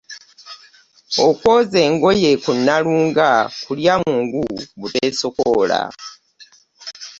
Okwoza obwoza engoye ku Nalunga kulya mungu buteesokoola.